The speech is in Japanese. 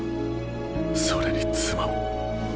それに妻も。